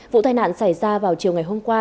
vụ tai nạn xảy ra vào chiều ngày hôm qua